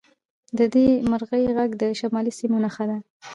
د دې مرغۍ غږ د شمالي سیمو نښه ده